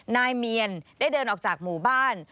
นายเมียนได้เดินออกจากหมู่บ้าน